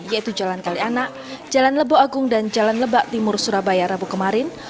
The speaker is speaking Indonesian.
yaitu jalan kalianak jalan lebo agung dan jalan lebak timur surabaya rabu kemarin